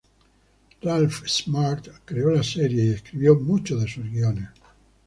Ralph Smart creó la serie y escribió muchos de sus guiones.